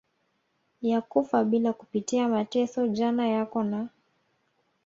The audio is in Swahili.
ya kufa bila kupitia mateso Jana yako na